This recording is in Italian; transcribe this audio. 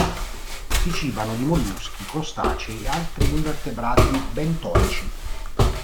Si cibano di molluschi, crostacei e altri invertebrati bentonici.